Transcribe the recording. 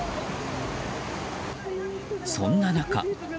そんな中。